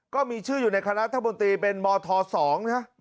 ก็มีชื่ออยู่ในคณะธุรกิจเป็นมศ๒นะครับ